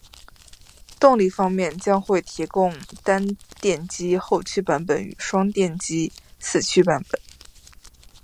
动力方面，将会提供单电机后驱版本与双电机四驱版本